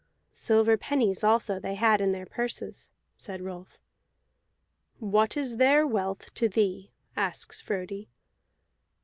"Silver pennies also they had in their purses," said Rolf. "What is their wealth to thee?" asks Frodi.